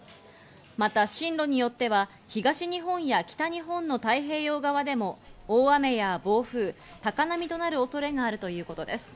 また進路によっては東日本や北日本の太平洋側でも大雨や暴風、高波となる恐れがあるということです。